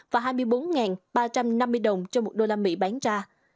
và hai mươi bốn ba trăm năm mươi đồng trên một đô la mỹ bán ra